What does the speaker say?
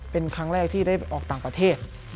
เป็นครั้งแรกที่ได้ออกต่างประเทศ